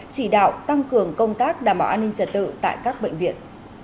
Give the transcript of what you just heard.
chỉ đạo tăng cường công tác đảm bảo an ninh trật tự tại các bệnh viện